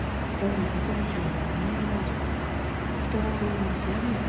人がその名を知らないだけだと。